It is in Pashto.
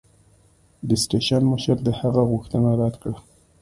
د سټېشن مشر د هغه غوښتنه رد کړه.